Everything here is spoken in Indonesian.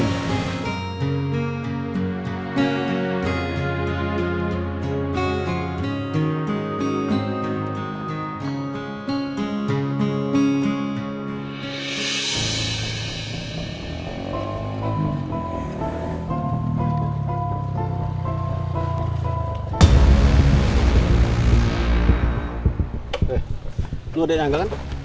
lu ada yang anggaran